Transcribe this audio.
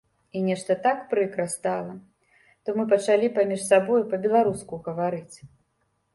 І нешта так прыкра стала, то мы пачалі паміж сабою па-беларуску гаварыць.